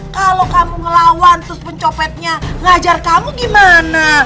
kalau kamu ngelawan terus mencopetnya ngajar kamu gimana